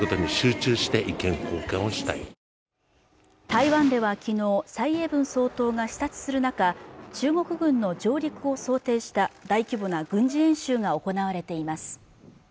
台湾ではきのう蔡英文総統が視察する中中国軍の上陸を想定した大規模な軍事演習が行われています